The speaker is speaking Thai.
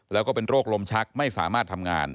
แล้วก็เป็นโรคลมชักไม่สามารถทำงาน